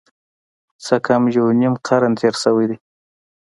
څه کم یو نیم قرن تېر شوی دی.